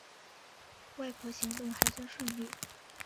外婆行动还算顺利